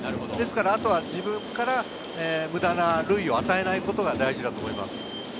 あとは自分から無駄な塁を与えないことが大事だと思います。